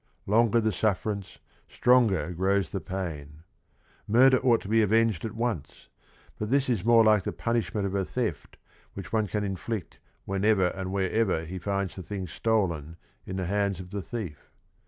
" Long er the sufferance, stronger grows t he pain," Murder ought to be avenged at once, but this is more like the punishment of a theft which one can inflict whenever or wherever he finds the thing stolen in the hands of the thief.